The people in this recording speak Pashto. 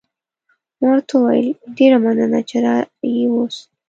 ما ورته وویل: ډېره مننه، چې را يې وست.